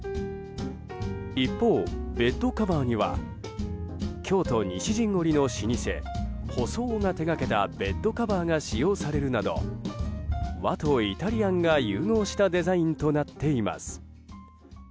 一方、ベッドカバーには京都西陣織の老舗細尾が手掛けたベッドカバーが使用されるなど和とイタリアンが融合したデザインとなっています。